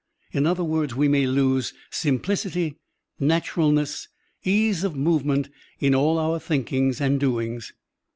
In other words, we may lose simplicity, naturalness, ease of move ment in all our thinkings and doings.